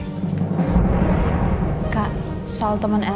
kak soal temen elsa yang ketemu sama lo di stamford coffee